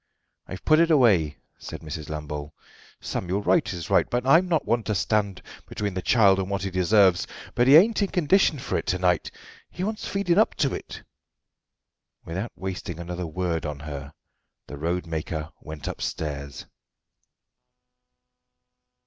"I've put it away," said Mrs. Lambole. "Samuel, right is right, and I'm not one to stand between the child and what he deserves, but he ain't in condition for it to night. He wants feeding up to it." Without wasting another word on her the roadmaker went upstairs.